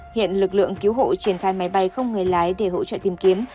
hiện lực lượng cứu hộ triển khai máy bay không người lái để hỗ trợ tìm kiếm